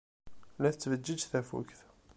La tettfejjij tafukt.